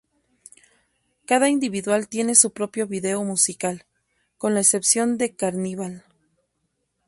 Cada individual tiene su propio video musical, con la excepción de "Carnival".